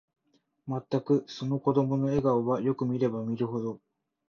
まったく、その子供の笑顔は、よく見れば見るほど、